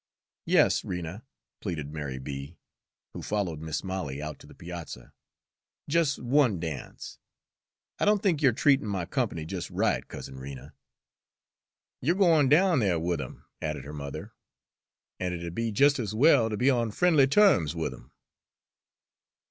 "Yas, Rena," pleaded Mary B., who followed Miss Molly out to the piazza, "jes' one dance. I don't think you're treatin' my comp'ny jes' right, Cousin Rena." "You're goin' down there with 'im," added her mother, "an' it 'd be just as well to be on friendly terms with 'im."